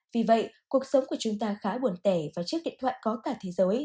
vì vậy cuộc sống của chúng ta khá buồn tẻ và chiếc điện thoại có cả thế giới